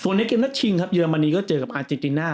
ส่วนในเกมนัดชิงครับเยอรมนีก็เจอกับอาเจติน่า